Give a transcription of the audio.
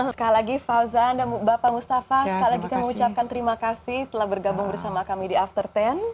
sekali lagi fauzan dan bapak mustafa sekali lagi kami mengucapkan terima kasih telah bergabung bersama kami di after sepuluh